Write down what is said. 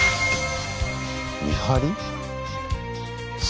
見張り？